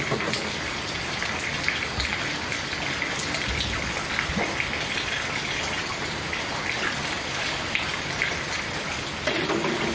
พร้อมทุกสิทธิ์